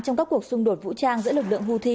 trong các cuộc xung đột vũ trang giữa lực lượng houthi